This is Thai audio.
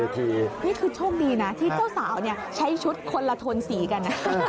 นี่คือโชคดีนะที่เจ้าสาวใช้ชุดคนละทนสีกันนะ